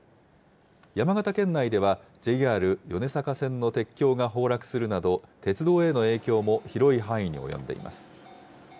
山形県内では、ＪＲ米坂線の鉄橋が崩落するなど、鉄道への影響も広い範囲に及んでいます。